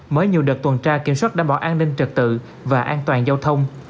mới nhiều đợt tuần tra kiểm soát đảm bảo an ninh trực tự và an toàn giao thông